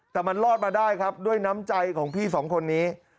แต่มันรอดมาได้ครับด้วยน้ำใจของพี่สองคนนี้